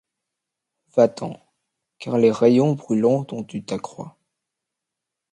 Va-t’en. Car les rayons brûlants dont tu t’accrois